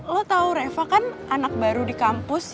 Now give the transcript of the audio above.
lo tau reva kan anak baru di kampus ya